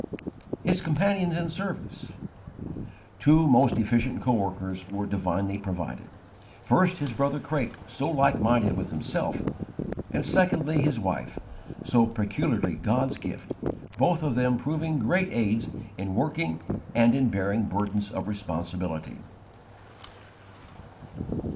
13. His companions in service. Two most efficient coworkers were divinely provided: first his brother Craik so like minded with himself, and secondly, his wife, so peculiarly God's gift, both of them proving great aids in working and in bearing burdens of responsibility.